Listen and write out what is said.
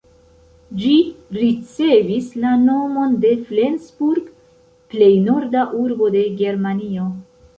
Ĝi ricevis la nomon de Flensburg, plej norda urbo de Germanio.